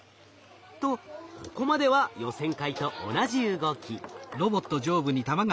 とここまでは予選会と同じ動き。